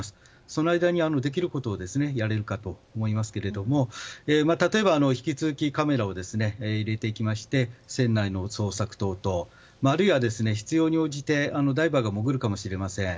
その間にできることをやれるかと思いますけれども例えば、引き続きカメラを入れていきまして船内の捜索等々あるいは、必要に応じてダイバーが潜るかもしれません。